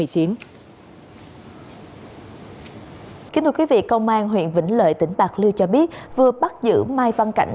công an huyện vĩnh lợi tỉnh bạc lưu cho biết vừa bắt giữ mai văn cảnh